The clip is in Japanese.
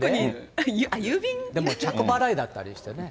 あっ、でも着払いだったりしてね。